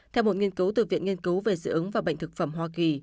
theo một nghiên cứu từ viện nghiên cứu về dự ứng và bệnh thực phẩm hoa kỳ